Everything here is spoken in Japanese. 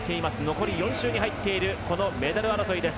残り４周に入っているこのメダル争いです。